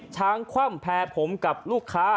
ช้างกำแพงผมกับลูกค้า